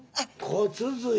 骨髄！